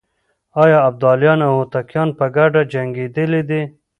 آيا ابداليان او هوتکان په ګډه جنګېدلي دي؟